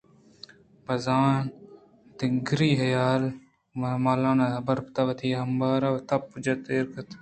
بِہ زاں دگرانی دہل ءُ مالاناں بُرت ءُ وتی امباراں تپّی جت ءُ ایر کُت